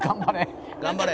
「頑張れ！」